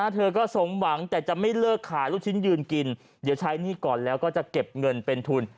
เธอก็สมหวังแต่จะไม่เลิกขายลูกชิ้นยืนกินเดี๋ยวใช้หนี้ก่อนแล้วก็จะเก็บเงินเป็นทุน